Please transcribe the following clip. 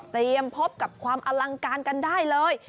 พบกับความอลังการกันได้เลย